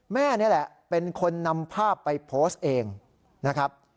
แม่นี่แหละเป็นคนนำภาพไปโพสต์เองนะครับ